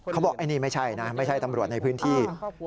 เขาบอกไอ้นี่ไม่ใช่นะไม่ใช่ตำรวจในพื้นที่